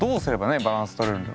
バランス取れるんだろう。